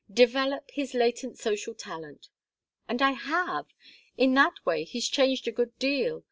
develop his latent social talent. And I have. In that way he's changed a good deal.